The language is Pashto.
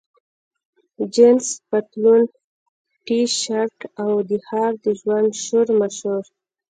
جینس پتلون، ټي شرټ، او د ښار د ژوند شورماشور.